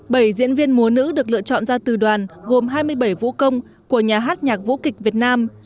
bảy diễn viên múa nữ được lựa chọn ra từ đoàn gồm hai mươi bảy vũ công của nhà hát nhạc vũ kịch việt nam